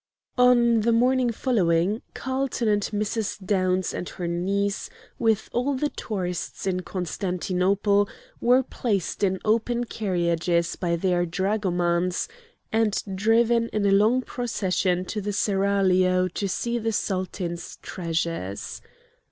On the morning following, Carlton and Mrs. Downs and her niece, with all the tourists in Constantinople, were placed in open carriages by their dragomans, and driven in a long procession to the Seraglio to see the Sultan's treasures.